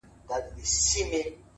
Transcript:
• يو كيسه مي اورېدلې ده يارانو ,